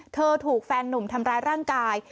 ถูกแฟนหนุ่มทำร้ายร่างกาย